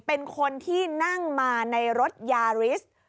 เป็นคนที่นั่งมาในรถยาริส